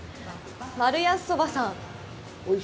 丸安そばさん。